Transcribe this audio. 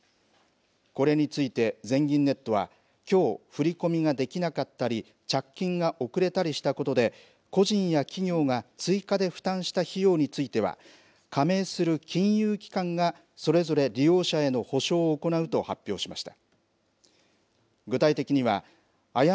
これについて全銀ネットはきょう、振り込みができなかったり、着金が遅れたりしたことで個人や企業が追加で負担した費用については、加盟する金融機関がそれぞれ利用者への補償を行うと発表しました。